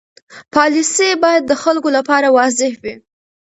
پالیسي باید د خلکو لپاره واضح وي.